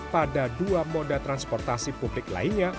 pada dua moda transportasi publik lainnya